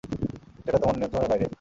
যেটা তোমার নিয়ন্ত্রণের বাইরে।